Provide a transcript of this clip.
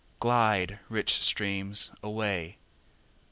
Glide, rich streams, away!